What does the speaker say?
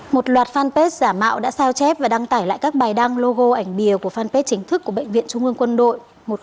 một loạt fanpage giả mạo đã sao chép và đăng tải lại các bài đăng logo ảnh bìa của fanpage chính thức của bệnh viện trung ương quân đội một trăm một mươi hai